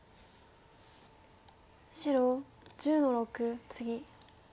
白１０の六ツギ。